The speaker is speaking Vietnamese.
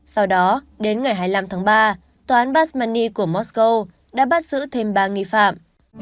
sau đó đến ngày hai mươi năm tháng ba tòa án basmani của mosco đã bắt giữ thêm ba nghi phạm